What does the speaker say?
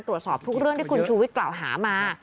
ตรวจสอบทุกเรื่องที่คุณชูวิทย์กล่าวหามา